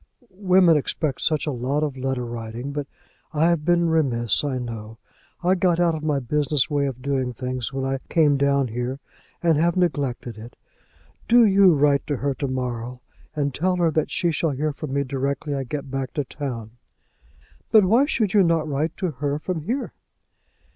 "Women expect such a lot of letter writing! But I have been remiss I know. I got out of my business way of doing things when I came down here and have neglected it. Do you write to her to morrow, and tell her that she shall hear from me directly I get back to town." "But why should you not write to her from here?"